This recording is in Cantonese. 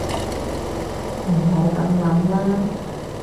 唔好噉諗啦